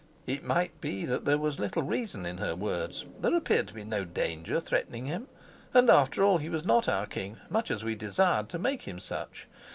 It might be that there was little reason in her words. There appeared to be no danger threatening him, and after all he was not our king, much as we desired to make him such.